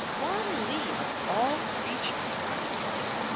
Wan Lee of all creatures!